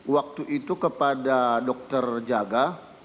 waktu itu kepada dokter jaga